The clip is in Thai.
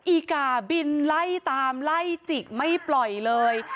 อีก่าบินไล่ตามไล่จิกไม่ปล่อยเลย